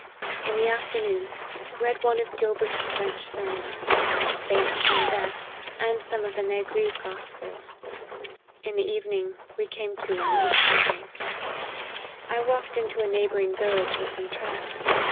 In the afternoon, read one of Gilbert's French Sermons ; Bates on Death ; and some of the Nagree Gospels. In the evening, we came to on the eastern bank. I walk ed into a neighbouring village, with some tracts.